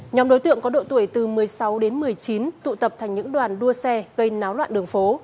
nhóm đối tượng có độ tuổi từ một mươi sáu đến một mươi chín tụ tập thành những đoàn đua xe gây náo loạn đường phố